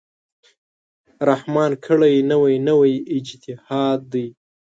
رحمان کړی، نوی نوی اجتهاد دی